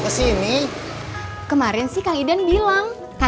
kesek kalo ada idan mah